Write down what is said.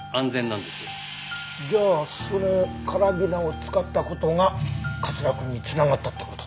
じゃあそのカラビナを使った事が滑落に繋がったって事？